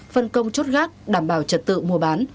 phân công chốt gác đảm bảo trật tự mua bán